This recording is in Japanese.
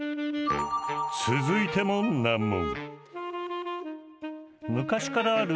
続いても難問。